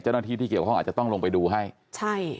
เจ้าหน้าที่ที่เกี่ยวข้องอาจจะต้องลงไปดูให้ใช่